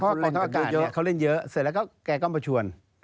เพราะว่ากองทัพอากาศเนี่ยเค้าเล่นเยอะเสร็จแล้วแกก็มาชวน